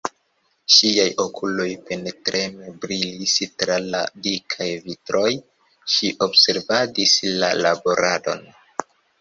Ŝiaj okuloj penetreme brilis tra la dikaj vitroj: ŝi observadis la laboradon.